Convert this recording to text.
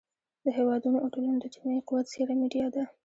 د هېوادونو او ټولنو د اجتماعي قوت څېره میډیا ده.